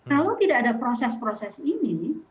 kalau tidak ada proses proses ini